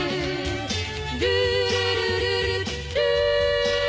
「ルールルルルルー」